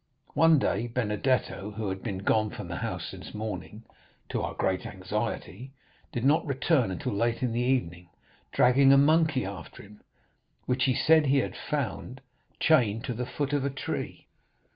One day, Benedetto, who had been gone from the house since morning, to our great anxiety, did not return until late in the evening, dragging a monkey after him, which he said he had found chained to the foot of a tree.